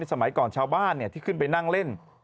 สมัยก่อนชาวบ้านที่ขึ้นไปนั่งเล่น